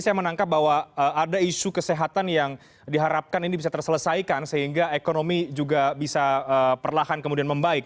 saya menangkap bahwa ada isu kesehatan yang diharapkan ini bisa terselesaikan sehingga ekonomi juga bisa perlahan kemudian membaik